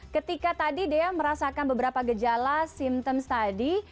ketika tadi dea merasakan beberapa gejala simptoms tadi